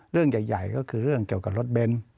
เรื่องใหญ่ก็คือเรื่องเกี่ยวกับรถเบนท์